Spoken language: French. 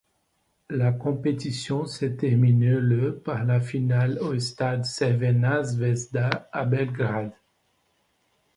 La compétition s'est terminée le par la finale au stade Crvena Zvezda à Belgrade.